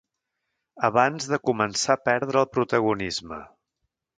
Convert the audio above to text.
Abans de començar a perdre el protagonisme.